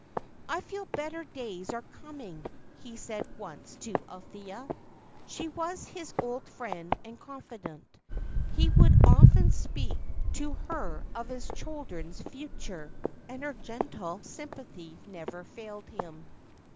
"I feel better days are coming," he said once to Althea. She was his old friend and confidant; he would often speak to her of his children's future, and her gentle sympathy never failed him.